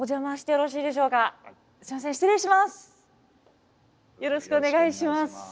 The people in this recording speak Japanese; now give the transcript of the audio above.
よろしくお願いします。